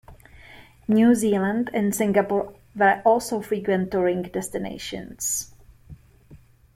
New Zealand and Singapore were also frequent touring destinations.